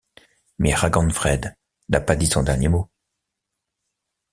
Mais Raganfred n'a pas dit son dernier mot.